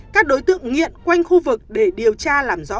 các đối tượng nghiện quanh khu vực để điều tra